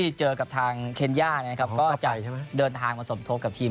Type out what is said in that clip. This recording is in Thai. เจอกับทางเคนย่านะครับก็จะเดินทางมาสมทบกับทีม